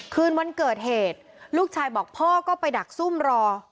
คืนวันเกิดเหตุลูกชายบอกพ่อก็ไปดักซุ่มรอ